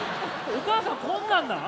お母さんこんなんなん？